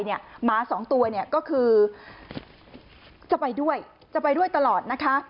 หมาสองตัวก็คือจะไปด้วยจะไปด้วยตลอดนะคะ